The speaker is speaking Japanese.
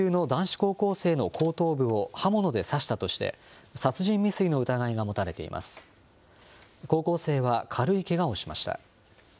高校生は軽いけがをしました。